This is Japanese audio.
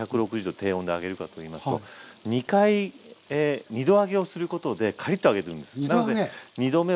低温で揚げるかといいますと２度揚げをすることでカリッと揚げるんです。